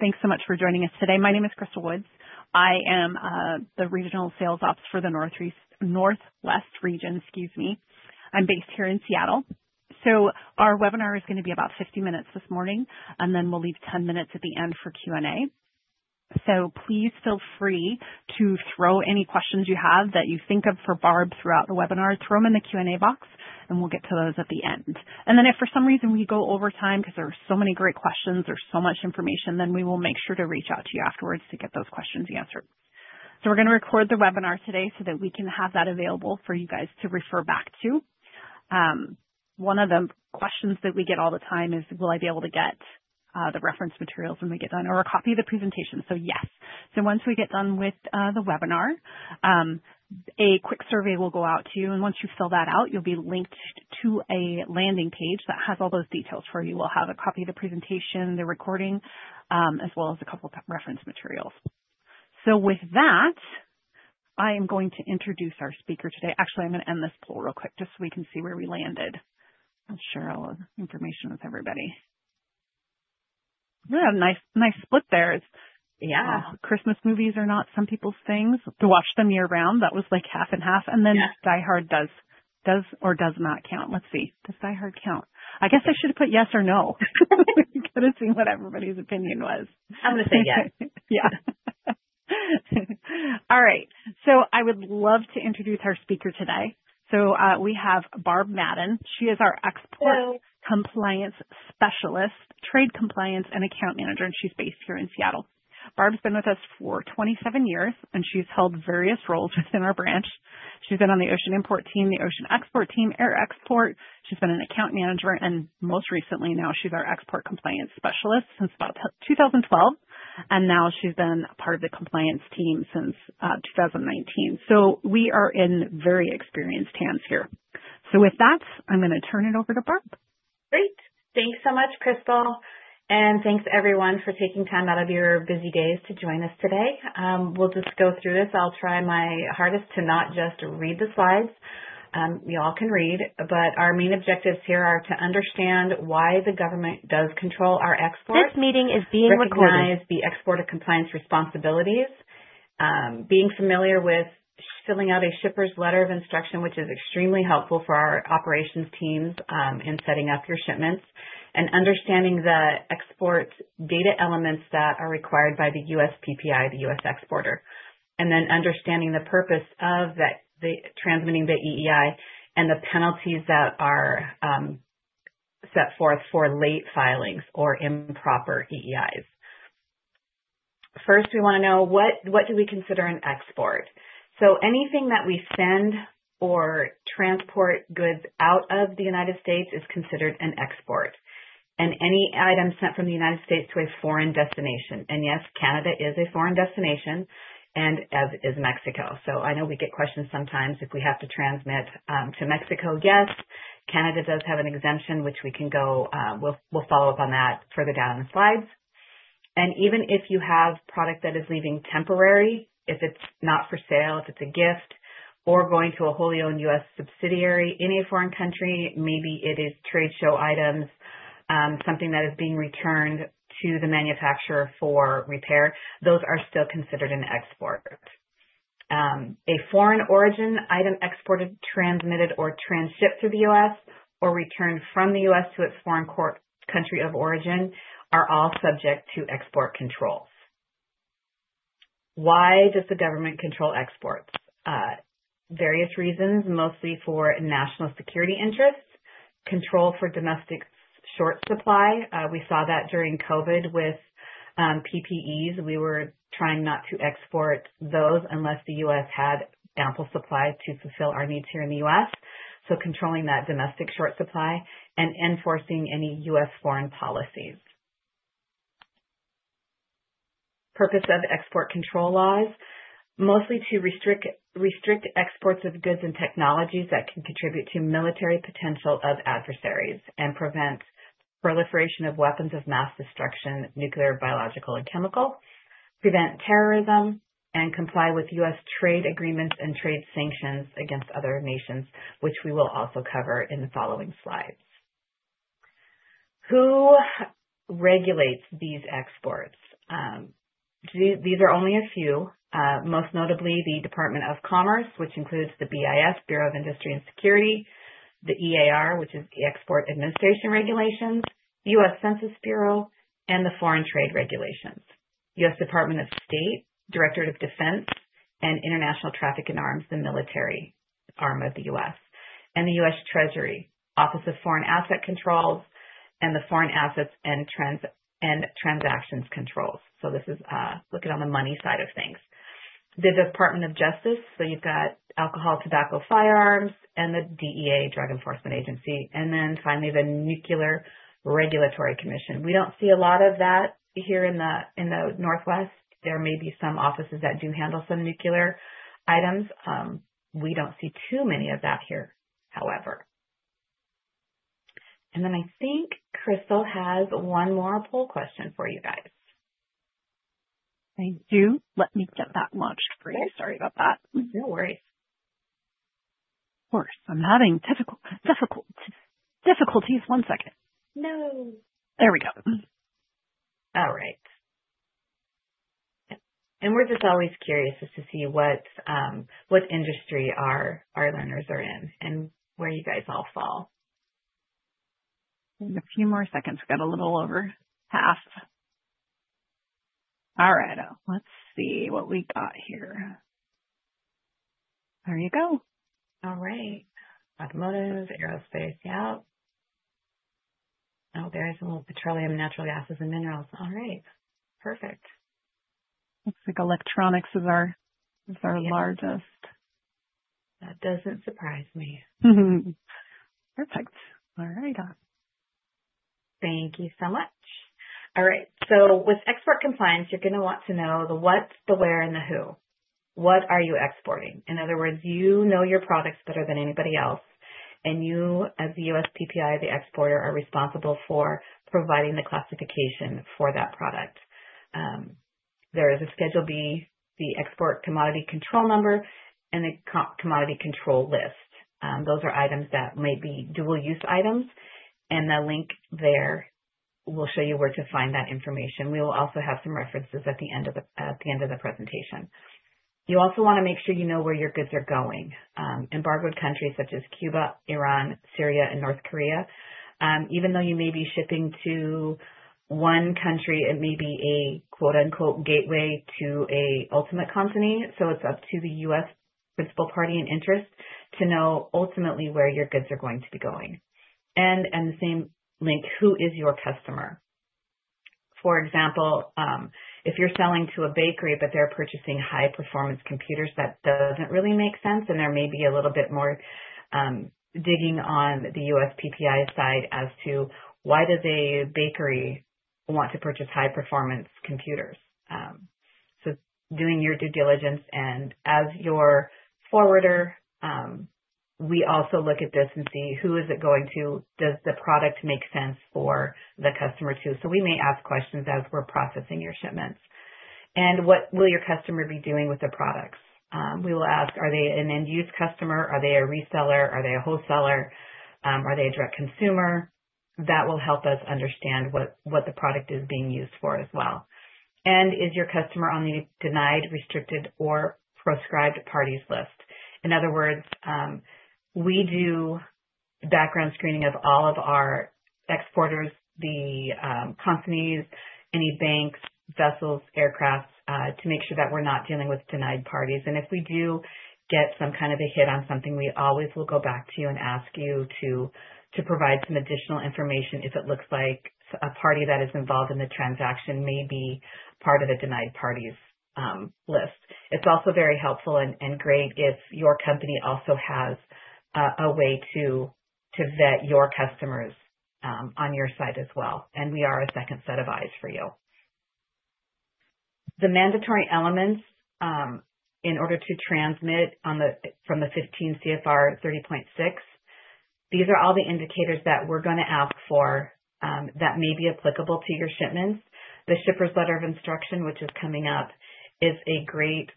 Thanks so much for joining us today. My name is Crystal Woods. I am the regional sales ops for the Northwest region, excuse me. I'm based here in Seattle, so our webinar is going to be about 50 minutes this morning, and then we'll leave 10 minutes at the end for Q&A. Please feel free to throw any questions you have that you think of for Barb throughout the webinar. Throw them in the Q&A box, and we'll get to those at the end, and then if for some reason we go over time because there are so many great questions or so much information, then we will make sure to reach out to you afterwards to get those questions answered, so we're going to record the webinar today so that we can have that available for you guys to refer back to. One of the questions that we get all the time is, "Will I be able to get the reference materials when we get done or a copy of the presentation?" So yes. So once we get done with the webinar, a quick survey will go out to you. And once you fill that out, you'll be linked to a landing page that has all those details for you. We'll have a copy of the presentation, the recording, as well as a couple of reference materials. So with that, I am going to introduce our speaker today. Actually, I'm going to end this poll real quick just so we can see where we landed. I'm sure I'll have information with everybody. Nice split there. Yeah. Christmas movies are not some people's things to watch them year-round. That was like half and half. And then Die Hard does or does not count. Let's see. Does Die Hard count? I guess I should have put yes or no. I couldn't see what everybody's opinion was. I'm going to say yes. Yeah. All right. So I would love to introduce our speaker today. So we have Barb Madden. She is our export compliance specialist, trade compliance, and account manager. And she's based here in Seattle. Barb's been with us for 27 years, and she's held various roles within our branch. She's been on the ocean import team, the ocean export team, air export. She's been an account manager. And most recently now, she's our export compliance specialist since about 2012. And now she's been part of the compliance team since 2019. So we are in very experienced hands here. So with that, I'm going to turn it over to Barb. Great. Thanks so much, Crystal, and thanks everyone for taking time out of your busy days to join us today. We'll just go through this. I'll try my hardest to not just read the slides. You all can read, but our main objectives here are to understand why the government does control our export. This meeting is being recorded. Recognize the export compliance responsibilities, being familiar with filling out a Shipper's Letter of Instruction, which is extremely helpful for our operations teams in setting up your shipments, and understanding the export data elements that are required by the USPPI, the U.S. exporter, and then understanding the purpose of transmitting the EEI and the penalties that are set forth for late filings or improper EEIs. First, we want to know what do we consider an export. So anything that we send or transport goods out of the United States is considered an export. And any item sent from the United States to a foreign destination. And yes, Canada is a foreign destination, and as is Mexico. So I know we get questions sometimes if we have to transmit to Mexico. Yes, Canada does have an exemption, which we can, we'll follow up on that further down in the slides. Even if you have product that is leaving temporarily, if it's not for sale, if it's a gift, or going to a wholly owned U.S. subsidiary in a foreign country, maybe it is trade show items, something that is being returned to the manufacturer for repair, those are still considered an export. A foreign origin item exported, transmitted, or transshipped through the U.S. or returned from the U.S. to its foreign country of origin are all subject to export controls. Why does the government control exports? Various reasons, mostly for national security interests, control for domestic short supply. We saw that during COVID with PPEs. We were trying not to export those unless the U.S. had ample supply to fulfill our needs here in the U.S. So controlling that domestic short supply and enforcing any U.S. foreign policies. Purpose of export control laws? Mostly to restrict exports of goods and technologies that can contribute to military potential of adversaries and prevent proliferation of weapons of mass destruction, nuclear, biological, and chemical, prevent terrorism, and comply with U.S. trade agreements and trade sanctions against other nations, which we will also cover in the following slides. Who regulates these exports? These are only a few. Most notably, the Department of Commerce, which includes the BIS, Bureau of Industry and Security, the EAR, which is the Export Administration Regulations, U.S. Census Bureau, and the Foreign Trade Regulations, U.S. Department of State, Directorate of Defense Trade Controls and International Traffic in Arms Regulations, the military arm of the U.S., and the U.S. Treasury, Office of Foreign Assets Control. This is looking on the money side of things. The Department of Justice. You've got Alcohol, Tobacco, Firearms, and the DEA, Drug Enforcement Administration. And then finally, the Nuclear Regulatory Commission. We don't see a lot of that here in the Northwest. There may be some offices that do handle some nuclear items. We don't see too many of that here, however. And then I think Crystal has one more poll question for you guys. Thank you. Let me get that launched for you. Sorry about that. No worries. Of course. I'm having difficulties. One second. No. There we go. All right, and we're just always curious to see what industry our learners are in and where you guys all fall. A few more seconds. We got a little over half. All right. Let's see what we got here. There you go. All right. Automotive, aerospace. Yep. Oh, there's a little petroleum, natural gases, and minerals. All right. Perfect. Looks like electronics is our largest. That doesn't surprise me. Perfect. All right. Thank you so much. All right. So with export compliance, you're going to want to know the whats, the where, and the who. What are you exporting? In other words, you know your products better than anybody else. And you, as the USPPI, the exporter, are responsible for providing the classification for that product. There is a Schedule B, the Export Commodity Control Number, and the Commodity Control List. Those are items that may be dual-use items. And the link there will show you where to find that information. We will also have some references at the end of the presentation. You also want to make sure you know where your goods are going. Embargoed countries such as Cuba, Iran, Syria, and North Korea, even though you may be shipping to one country, it may be a "gateway" to an ultimate company. So it's up to the U.S. Principal Party in Interest to know ultimately where your goods are going to be going. And the same thing, who is your customer? For example, if you're selling to a bakery, but they're purchasing high-performance computers, that doesn't really make sense. And there may be a little bit more digging on the USPPI side as to why does a bakery want to purchase high-performance computers. So doing your due diligence. And as your forwarder, we also look at this and see who it is going to. Does the product make sense for the customer to? So we may ask questions as we're processing your shipments. And what will your customer be doing with the products? We will ask, are they an end-use customer? Are they a reseller? Are they a wholesaler? Are they a direct consumer? That will help us understand what the product is being used for as well. And is your customer on the denied, restricted, or proscribed parties list? In other words, we do background screening of all of our exporters, the companies, any banks, vessels, aircrafts to make sure that we're not dealing with denied parties. And if we do get some kind of a hit on something, we always will go back to you and ask you to provide some additional information if it looks like a party that is involved in the transaction may be part of the denied parties list. It's also very helpful and great if your company also has a way to vet your customers on your side as well. And we are a second set of eyes for you. The mandatory elements in order to transmit from the 15 CFR 30.6. These are all the indicators that we're going to ask for that may be applicable to your shipments. The Shipper's Letter of Instruction, which is coming up, is a great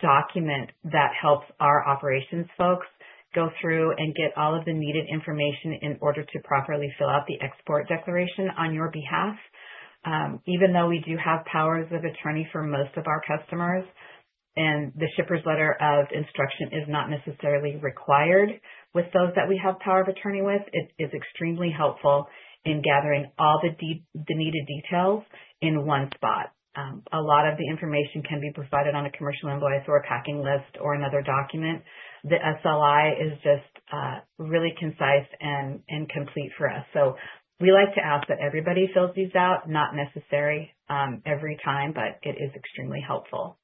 document that helps our operations folks go through and get all of the needed information in order to properly fill out the export declaration on your behalf. Even though we do have powers of attorney for most of our customers, and the Shipper's Letter of Instruction is not necessarily required with those that we have power of attorney with, it is extremely helpful in gathering all the needed details in one spot. A lot of the information can be provided on a commercial invoice or a packing list or another document. The SLI is just really concise and complete for us. So we like to ask that everybody fills these out, not necessary every time, but it is extremely helpful.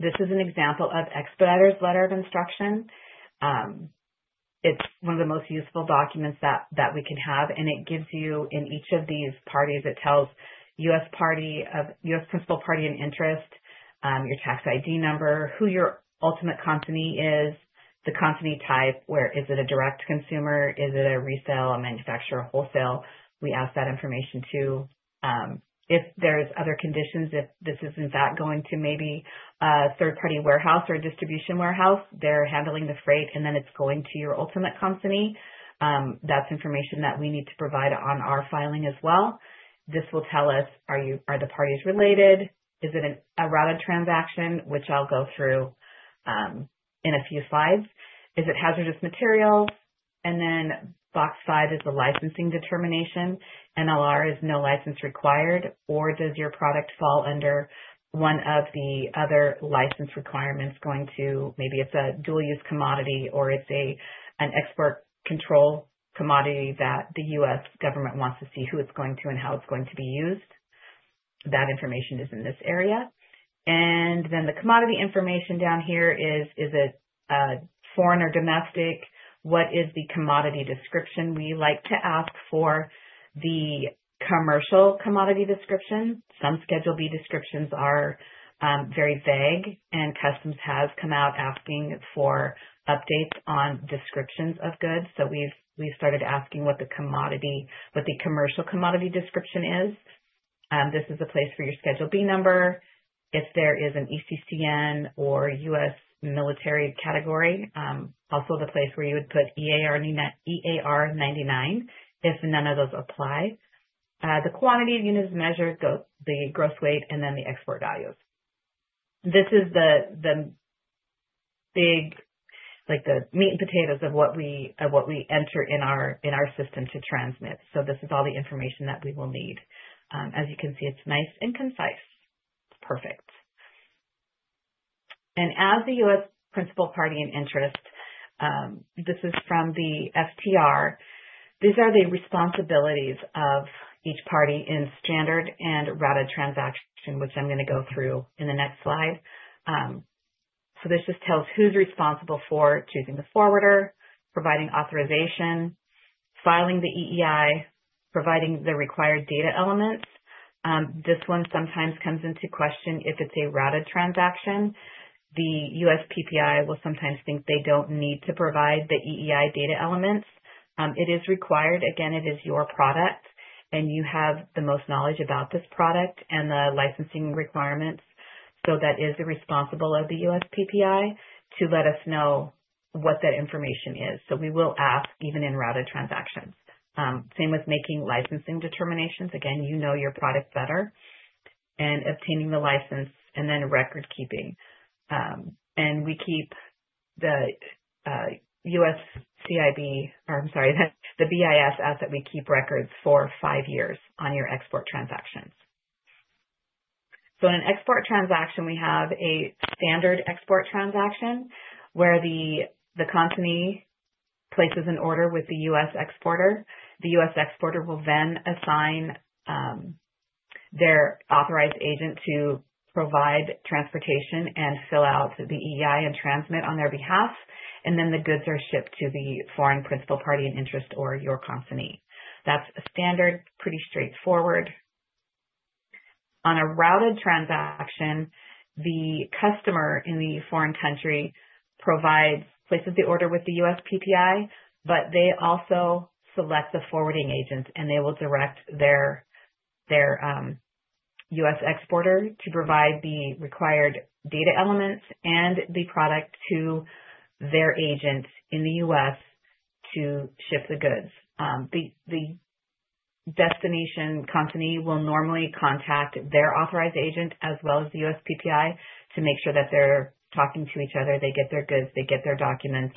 This is an example of Expeditors' Letter of Instruction. It's one of the most useful documents that we can have. And it gives you in each of these parties, it tells U.S. Principal Party in Interest, your tax ID number, who your ultimate company is, the company type, where is it a direct consumer, is it a resale, a manufacturer, wholesale. We ask that information too. If there's other conditions, if this is in fact going to maybe a third-party warehouse or a distribution warehouse, they're handling the freight, and then it's going to your ultimate company. That's information that we need to provide on our filing as well. This will tell us, are the parties related? Is it a routed transaction, which I'll go through in a few slides? Is it hazardous materials? And then box five is the licensing determination. NLR is no license required. Or does your product fall under one of the other license requirements, going to maybe it's a dual-use commodity or it's an export control commodity that the U.S. government wants to see who it's going to and how it's going to be used? That information is in this area. And then the commodity information down here is, is it foreign or domestic? What is the commodity description? We like to ask for the commercial commodity description. Some Schedule B descriptions are very vague. And Customs has come out asking for updates on descriptions of goods. So we've started asking what the commercial commodity description is. This is a place for your Schedule B number. If there is an ECCN or U.S. military category, also the place where you would put EAR99 if none of those apply. The quantity units measured, the gross weight, and then the export values. This is the big meat and potatoes of what we enter in our system to transmit, so this is all the information that we will need. As you can see, it's nice and concise. It's perfect, and as the U.S. Principal Party in Interest, this is from the FTR. These are the responsibilities of each party in standard and routed transaction, which I'm going to go through in the next slide, so this just tells who's responsible for choosing the forwarder, providing authorization, filing the EEI, providing the required data elements. This one sometimes comes into question if it's a routed transaction. The USPPI will sometimes think they don't need to provide the EEI data elements. It is required. Again, it is your product, and you have the most knowledge about this product and the licensing requirements. So that is the responsibility of the USPPI to let us know what that information is. So we will ask even in routed transactions. Same with making licensing determinations. Again, you know your product better and obtaining the license and then record-keeping. And we keep the U.S. CIB, or I'm sorry, the BIS, ask that we keep records for five years on your export transactions. So in an export transaction, we have a standard export transaction where the company places an order with the U.S. exporter. The U.S. exporter will then assign their authorized agent to provide transportation and fill out the EEI and transmit on their behalf. Then the goods are shipped to the Foreign Principal Party in Interest or your company. That's standard, pretty straightforward. On a routed transaction, the customer in the foreign country places the order with the USPPI, but they also select the forwarding agent, and they will direct their U.S. exporter to provide the required data elements and the product to their agent in the U.S. to ship the goods. The destination company will normally contact their authorized agent as well as the USPPI to make sure that they're talking to each other. They get their goods. They get their documents.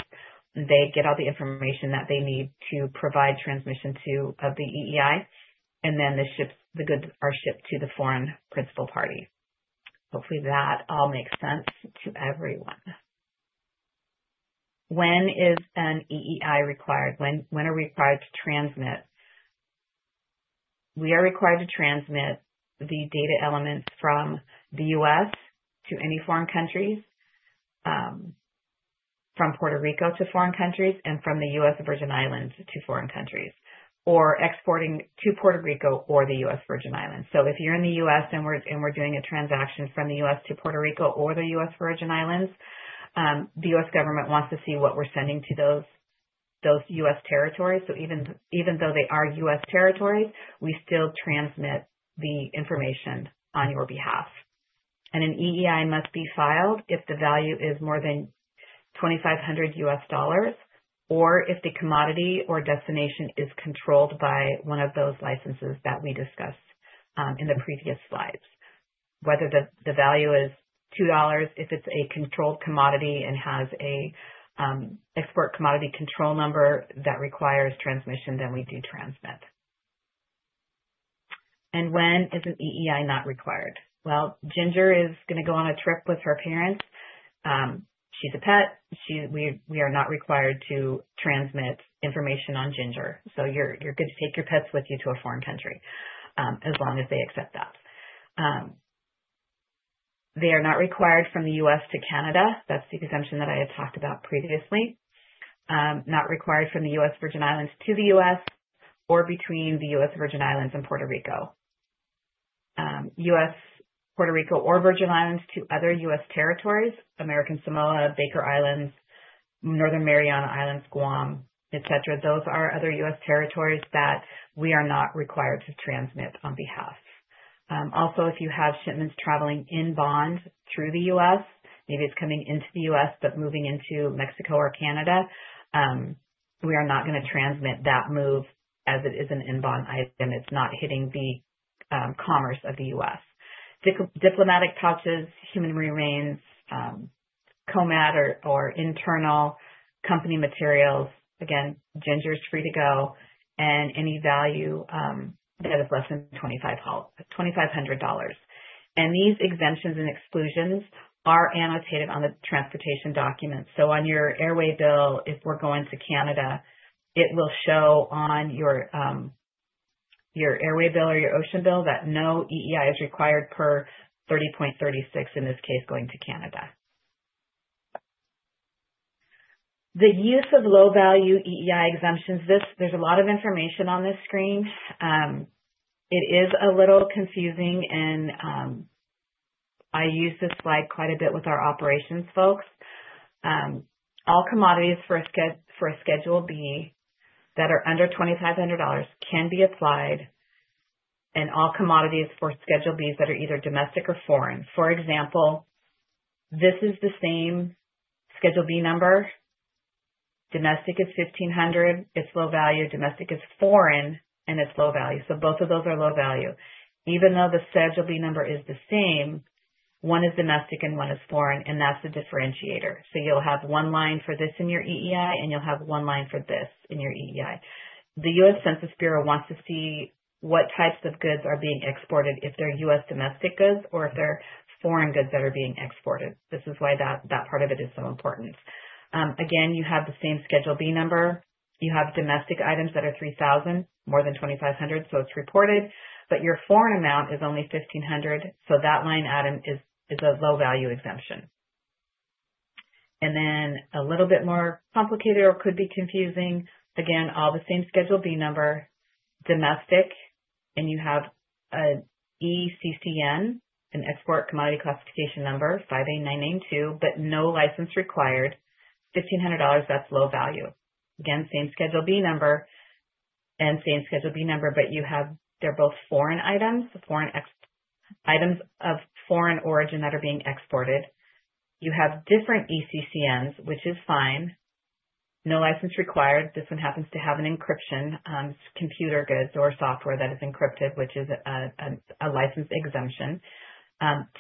They get all the information that they need to provide transmission of the EEI. Then the goods are shipped to the Foreign Principal Party in Interest. Hopefully, that all makes sense to everyone. When is an EEI required? When are we required to transmit? We are required to transmit the data elements from the U.S. to any foreign countries, from Puerto Rico to foreign countries, and from the U.S. Virgin Islands to foreign countries, or exporting to Puerto Rico or the U.S. Virgin Islands. If you're in the U.S. and we're doing a transaction from the U.S. to Puerto Rico or the U.S. Virgin Islands, the U.S. government wants to see what we're sending to those U.S. territories. Even though they are U.S. territories, we still transmit the information on your behalf. An EEI must be filed if the value is more than $2,500 or if the commodity or destination is controlled by one of those licenses that we discussed in the previous slides. Whether the value is $2, if it's a controlled commodity and has an export commodity control number that requires transmission, then we do transmit. When is an EEI not required? Well, Ginger is going on a trip with her parents. She's a pet. We are not required to transmit information on Ginger. So you're good to take your pets with you to a foreign country as long as they accept that. They are not required from the U.S. to Canada. That's the exemption that I had talked about previously. Not required from the U.S. Virgin Islands to the U.S. or between the U.S. Virgin Islands and Puerto Rico. U.S., Puerto Rico or Virgin Islands to other U.S. territories: American Samoa, Baker Island, Northern Mariana Islands, Guam, etc. Those are other U.S. territories that we are not required to transmit on behalf. Also, if you have shipments traveling in bond through the U.S., maybe it's coming into the U.S., but moving into Mexico or Canada, we are not going to transmit that move as it is an in-bond item. It's not hitting the commerce of the U.S. Diplomatic pouches, human remains, COMAT or internal company materials. Again, these are free to go. Any value that is less than $2,500. These exemptions and exclusions are annotated on the transportation document. On your air waybill, if we're going to Canada, it will show on your air waybill or your ocean bill that no EEI is required per 30.36 in this case going to Canada. The use of low-value EEI exemptions, there's a lot of information on this screen. It is a little confusing, and I use this slide quite a bit with our operations folks. All commodities for Schedule B that are under $2,500 can be applied, and all commodities for Schedule Bs that are either domestic or foreign. For example, this is the same Schedule B number. Domestic is $1,500. It's low-value. Domestic is foreign, and it's low-value. So both of those are low-value. Even though the Schedule B number is the same, one is domestic and one is foreign, and that's the differentiator. So you'll have one line for this in your EEI, and you'll have one line for this in your EEI. The U.S. Census Bureau wants to see what types of goods are being exported, if they're U.S. domestic goods or if they're foreign goods that are being exported. This is why that part of it is so important. Again, you have the same Schedule B number. You have domestic items that are $3,000, more than $2,500, so it's reported, but your foreign amount is only $1,500. So that line, Adam, is a low-value exemption. And then a little bit more complicated or could be confusing. Again, all the same Schedule B number, domestic, and you have an ECCN, an export commodity classification number, 5A992, but no license required, $1,500, that's low-value. Again, same Schedule B number and same Schedule B number, but they're both foreign items, foreign items of foreign origin that are being exported. You have different ECCNs, which is fine. No license required. This one happens to have an encryption. It's computer goods or software that is encrypted, which is a license exemption.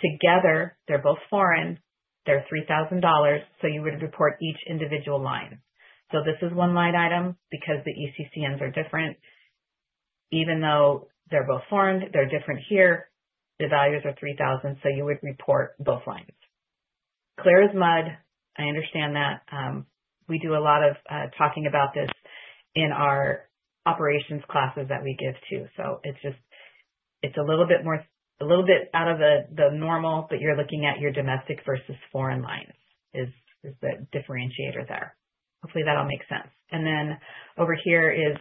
Together, they're both foreign. They're $3,000. So you would report each individual line. So this is one line item because the ECCNs are different. Even though they're both foreign, they're different here. The values are 3,000, so you would report both lines. Clear as mud. I understand that. We do a lot of talking about this in our operations classes that we give too. So it's a little bit more a little bit out of the normal, but you're looking at your domestic versus foreign lines is the differentiator there. Hopefully, that'll make sense. And then over here is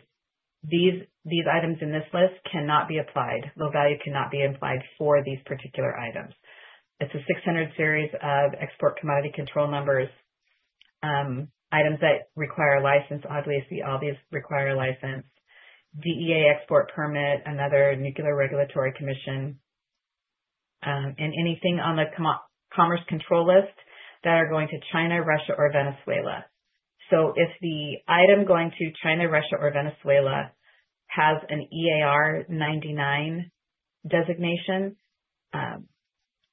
these items in this list cannot be applied. Low-value cannot be applied for these particular items. It's a 600 series of export commodity control numbers, items that require license, obviously all these require a license, DEA export permit, another Nuclear Regulatory Commission, and anything on the commerce control list that are going to China, Russia, or Venezuela. So if the item going to China, Russia, or Venezuela has an EAR99 designation,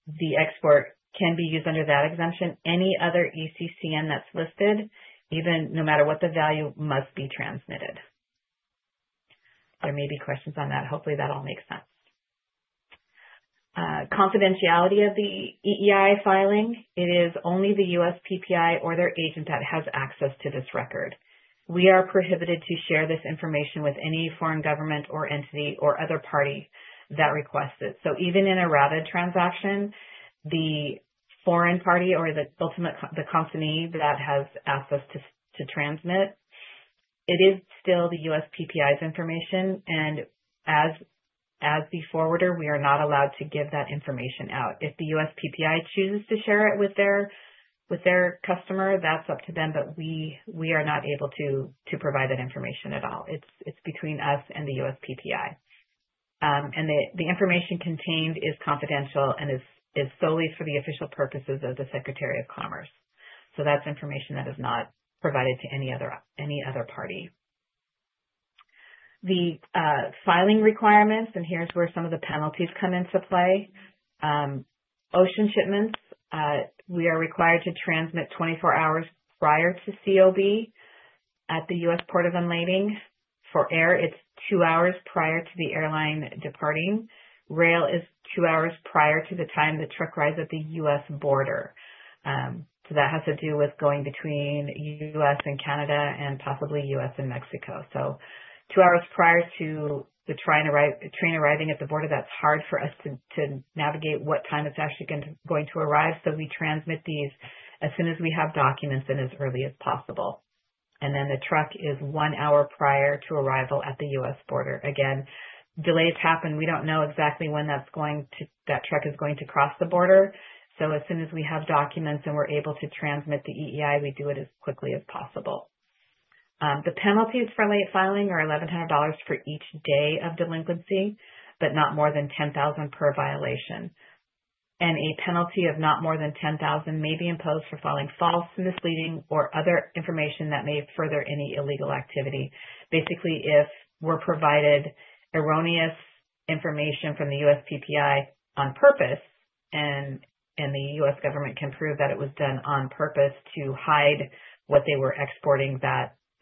the export can be used under that exemption. Any other ECCN that's listed, even no matter what the value, must be transmitted. There may be questions on that. Hopefully, that all makes sense. Confidentiality of the EEI filing. It is only the US PPI or their agent that has access to this record. We are prohibited to share this information with any foreign government or entity or other party that requests it. So even in a routed transaction, the foreign party or the company that has asked us to transmit, it is still the US PPI's information. And as the forwarder, we are not allowed to give that information out. If the USPPI chooses to share it with their customer, that's up to them, but we are not able to provide that information at all. It's between us and the USPPI, and the information contained is confidential and is solely for the official purposes of the Secretary of Commerce, so that's information that is not provided to any other party. The filing requirements, and here's where some of the penalties come into play. For ocean shipments, we are required to transmit 24 hours prior to COB at the U.S. port of unlading. For air, it's two hours prior to the airline departing. For rail, it's two hours prior to the time the truck arrives at the U.S. border, so that has to do with going between U.S. and Canada and possibly U.S. and Mexico. So two hours prior to the train arriving at the border, that's hard for us to navigate what time it's actually going to arrive. So we transmit these as soon as we have documents and as early as possible. And then the truck is one hour prior to arrival at the U.S. border. Again, delays happen. We don't know exactly when that truck is going to cross the border. So as soon as we have documents and we're able to transmit the EEI, we do it as quickly as possible. The penalties for late filing are $1,100 for each day of delinquency, but not more than $10,000 per violation. And a penalty of not more than $10,000 may be imposed for filing false, misleading, or other information that may further any illegal activity. Basically, if we're provided erroneous information from the USPPI on purpose, and the U.S. government can prove that it was done on purpose to hide what they were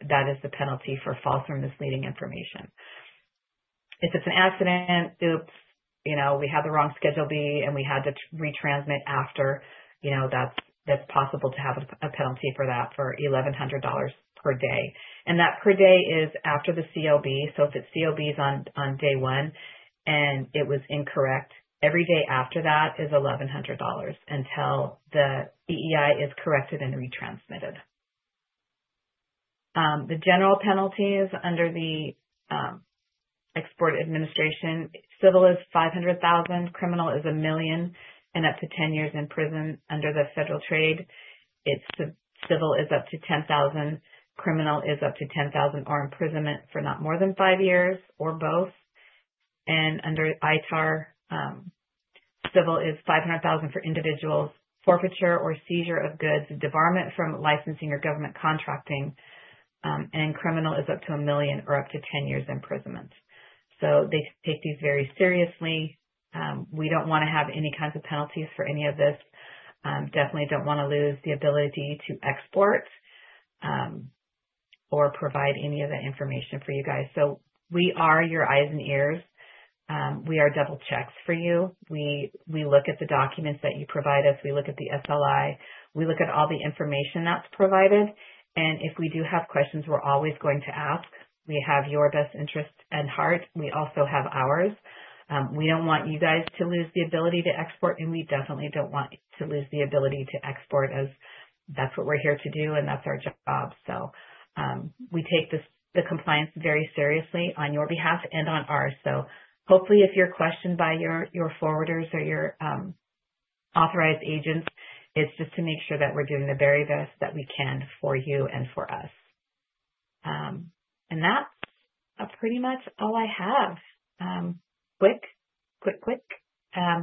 exporting, that is the penalty for false or misleading information. If it's an accident, oops, we had the wrong Schedule B, and we had to retransmit after, that's possible to have a penalty for that for $1,100 per day. And that per day is after the COB. So if it's COBs on day one and it was incorrect, every day after that is $1,100 until the EEI is corrected and retransmitted. The general penalties under the Export Administration, civil is $500,000, criminal is $1 million, and up to 10 years in prison under the Foreign Trade. Civil is up to $10,000. Criminal is up to $10,000 or imprisonment for not more than five years or both. Under ITAR, civil is $500,000 for individuals, forfeiture or seizure of goods, debarment from licensing or government contracting, and criminal is up to $1 million or up to 10 years imprisonment. So they take these very seriously. We don't want to have any kinds of penalties for any of this. Definitely don't want to lose the ability to export or provide any of that information for you guys. So we are your eyes and ears. We are double checks for you. We look at the documents that you provide us. We look at the SLI. We look at all the information that's provided. And if we do have questions, we're always going to ask. We have your best interest at heart. We also have ours. We don't want you guys to lose the ability to export, and we definitely don't want to lose the ability to export as that's what we're here to do, and that's our job. So we take the compliance very seriously on your behalf and on ours. So hopefully, if you're questioned by your forwarders or your authorized agents, it's just to make sure that we're doing the very best that we can for you and for us. And that's pretty much all I have. Quick, quick, quick.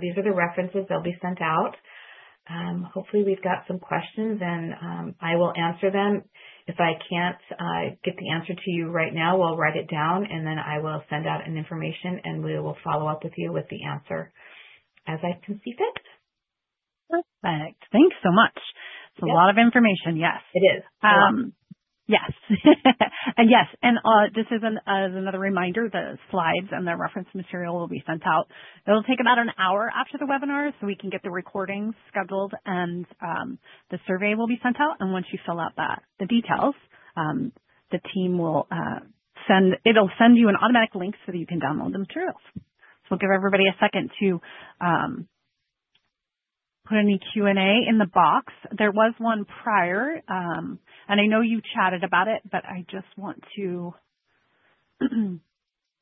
These are the references. They'll be sent out. Hopefully, we've got some questions, and I will answer them. If I can't get the answer to you right now, we'll write it down, and then I will send out an information, and we will follow up with you with the answer as I can see fit. Perfect. Thanks so much. It's a lot of information. Yes. It is. Yes. Yes. And just as another reminder, the slides and the reference material will be sent out. It'll take about an hour after the webinar so we can get the recordings scheduled, and the survey will be sent out. And once you fill out the details, the team will send you an automatic link so that you can download the materials. So we'll give everybody a second to put any Q&A in the box. There was one prior, and I know you chatted about it, but I just want to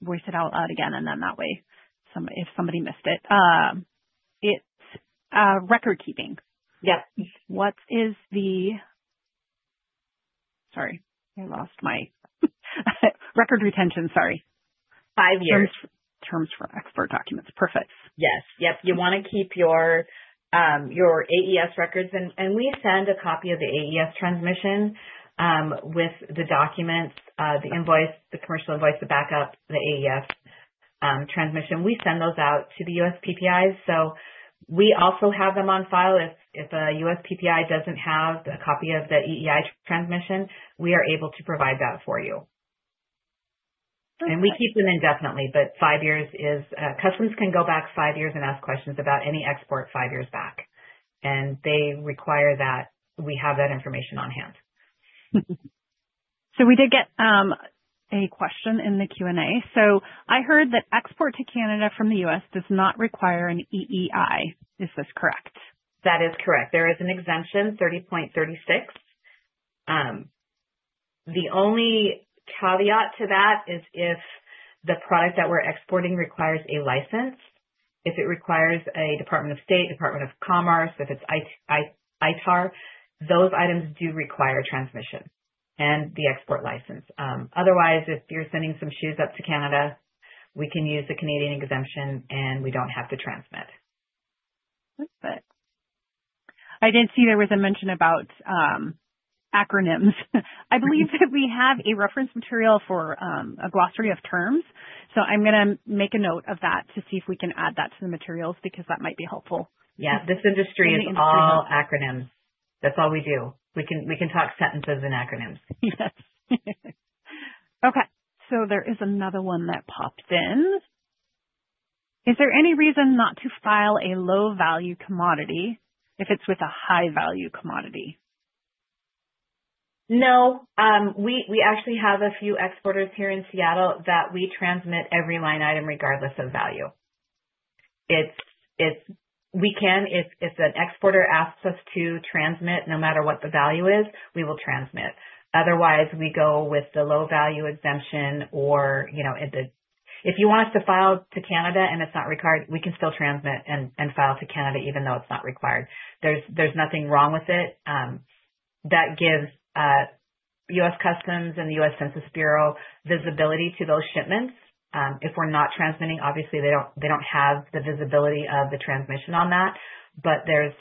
voice it out again, and then that way, if somebody missed it. It's record keeping. Yes. What is the? Sorry, I lost my record retention. Sorry. Five years. Terms for export documents. Perfect. Yes. Yep. You want to keep your AES records. We send a copy of the AES transmission with the documents, the invoice, the commercial invoice, the backup, the AES transmission. We send those out to the USPPIs. So we also have them on file. If a USPPI doesn't have a copy of the EEI transmission, we are able to provide that for you. We keep them indefinitely, but five years is what Customs can go back five years and ask questions about any export five years back. They require that we have that information on hand. We did get a question in the Q&A. I heard that export to Canada from the U.S. does not require an EEI. Is this correct? That is correct. There is an exemption, 30.36. The only caveat to that is if the product that we're exporting requires a license. If it requires a Department of State, Department of Commerce, if it's ITAR, those items do require transmission and the export license. Otherwise, if you're sending some shoes up to Canada, we can use the Canadian exemption, and we don't have to transmit. Perfect. I did see there was a mention about acronyms. I believe that we have a reference material for a glossary of terms. So I'm going to make a note of that to see if we can add that to the materials because that might be helpful. Yeah. This industry is all acronyms. That's all we do. We can talk sentences and acronyms. Yes. Okay. So there is another one that pops in. Is there any reason not to file a low-value commodity if it's with a high-value commodity? No. We actually have a few exporters here in Seattle that we transmit every line item regardless of value. We can. If an exporter asks us to transmit, no matter what the value is, we will transmit. Otherwise, we go with the low-value exemption or if you want us to file to Canada and it's not required, we can still transmit and file to Canada even though it's not required. There's nothing wrong with it. That gives U.S. Customs and the U.S. Census Bureau visibility to those shipments. If we're not transmitting, obviously, they don't have the visibility of the transmission on that, but there's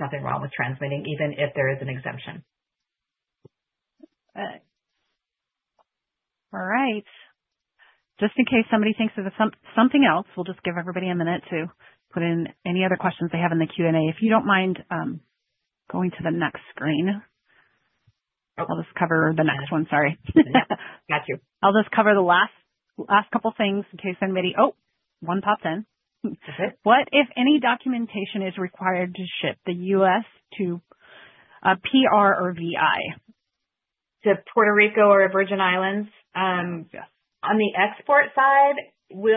nothing wrong with transmitting even if there is an exemption. All right. Just in case somebody thinks of something else, we'll just give everybody a minute to put in any other questions they have in the Q&A. If you don't mind going to the next screen, I'll just cover the next one. Sorry. Got you. I'll just cover the last couple of things in case anybody, oh, one popped in. What, if any, documentation is required to ship the US to PR or VI? To Puerto Rico or Virgin Islands. On the export side, we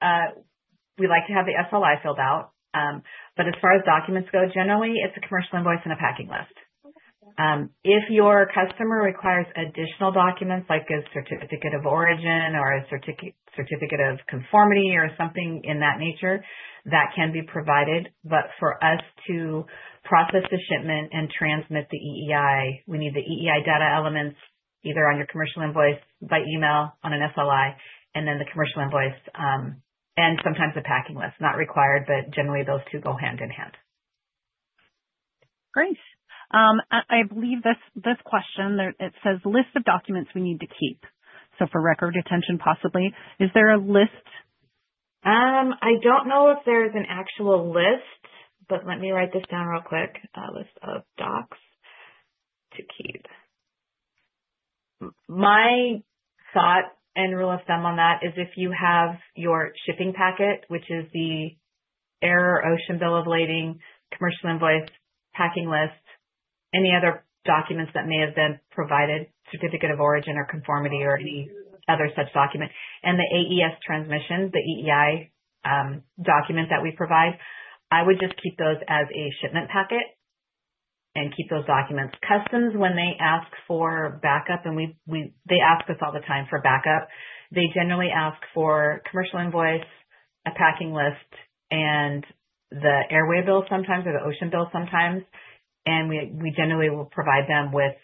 like to have the SLI filled out. But as far as documents go, generally, it's a commercial invoice and a packing list. If your customer requires additional documents like a certificate of origin or a certificate of conformity or something in that nature, that can be provided. But for us to process the shipment and transmit the EEI, we need the EEI data elements either on your commercial invoice by email on an SLI, and then the commercial invoice, and sometimes the packing list. Not required, but generally, those two go hand in hand. Great. I believe this question, it says, "List of documents we need to keep." So for record retention, possibly. Is there a list? I don't know if there's an actual list, but let me write this down real quick. List of docs to keep. My thought and rule of thumb on that is if you have your shipping packet, which is the air or ocean bill of lading, commercial invoice, packing list, any other documents that may have been provided, certificate of origin or conformity or any other such document, and the AES transmission, the EEI document that we provide, I would just keep those as a shipment packet and keep those documents. Customs, when they ask for backup, and they ask us all the time for backup, they generally ask for a commercial invoice, a packing list, and the air waybill sometimes or the ocean bill sometimes. And we generally will provide them with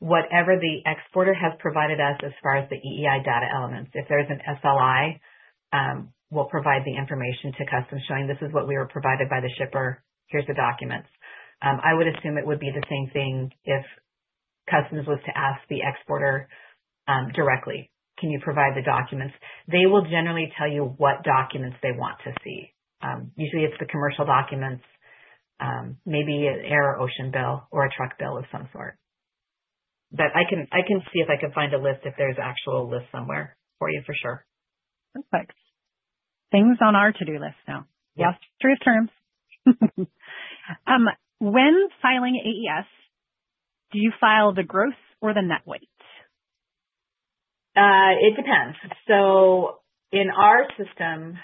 whatever the exporter has provided us as far as the EEI data elements. If there's an SLI, we'll provide the information to Customs showing, "This is what we were provided by the shipper. Here's the documents." I would assume it would be the same thing if Customs was to ask the exporter directly, "Can you provide the documents?" They will generally tell you what documents they want to see. Usually, it's the commercial documents, maybe an air ocean bill or a truck bill of some sort. But I can see if I can find a list if there's an actual list somewhere for you, for sure. Perfect. Things on our to-do list now. Yes, free of terms. When filing AES, do you file the gross or the net weight? It depends. So in our system,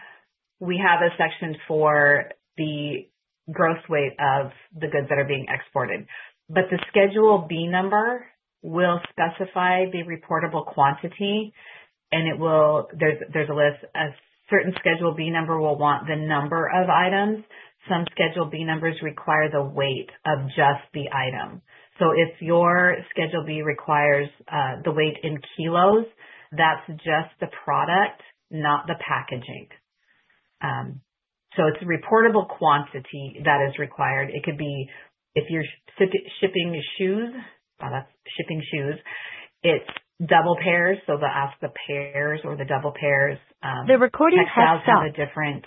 we have a section for the gross weight of the goods that are being exported. But the Schedule B number will specify the reportable quantity, and there's a list. A certain Schedule B number will want the number of items. Some Schedule B numbers require the weight of just the item. So if your Schedule B requires the weight in kilos, that's just the product, not the packaging. So it's a reportable quantity that is required. It could be if you're shipping shoes, that's the number of shoes. It's dozen pairs, so they'll ask the pairs or the dozen pairs. The Schedule B has to tell. It has to have a different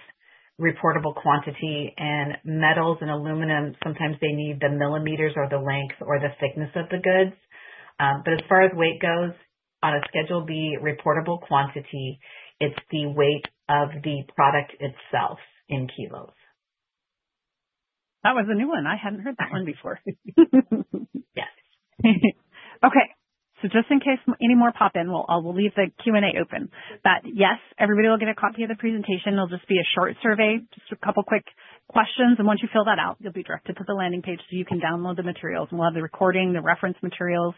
reportable quantity. And metals and aluminum, sometimes they need the millimeters or the length or the thickness of the goods. But as far as weight goes, on a Schedule B reportable quantity, it's the weight of the product itself in kilos. That was a new one. I hadn't heard that one before. Yes. Okay. So just in case any more pop in, I will leave the Q&A open. But yes, everybody will get a copy of the presentation. It'll just be a short survey, just a couple of quick questions. And once you fill that out, you'll be directed to the landing page so you can download the materials. And we'll have the recording, the reference materials.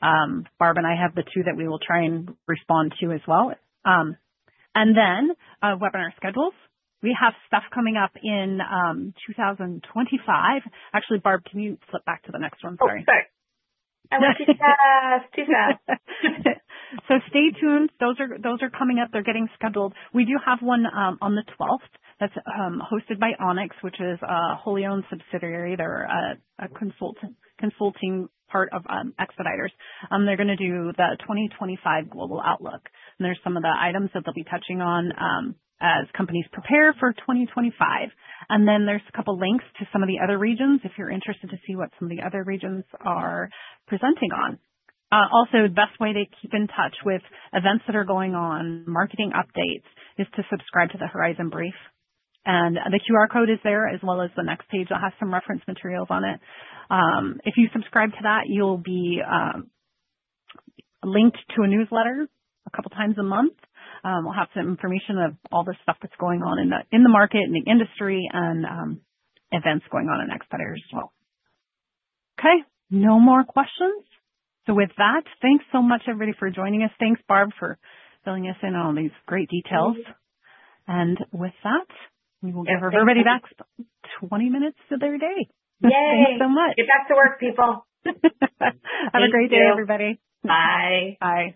Barb and I have the two that we will try and respond to as well. And then webinar schedules. We have stuff coming up in 2025. Actually, Barb, can you flip back to the next one? Sorry. I went too fast. So stay tuned. Those are coming up. They're getting scheduled. We do have one on the 12th that's hosted by Onyx, which is a wholly owned subsidiary. They're a consulting part of Expeditors. They're going to do the 2025 Global Outlook, and there's some of the items that they'll be touching on as companies prepare for 2025. And then there's a couple of links to some of the other regions if you're interested to see what some of the other regions are presenting on. Also, the best way to keep in touch with events that are going on, marketing updates, is to subscribe to the Horizon Brief, and the QR code is there as well as the next page. I'll have some reference materials on it. If you subscribe to that, you'll be linked to a newsletter a couple of times a month. We'll have some information of all the stuff that's going on in the market and the industry and events going on at Expeditors as well. Okay. No more questions. So with that, thanks so much, everybody, for joining us. Thanks, Barb, for filling us in on all these great details. And with that, we will give everybody back 20 minutes of their day. Thank you so much. Get back to work, people. Have a great day, everybody. Bye. Bye.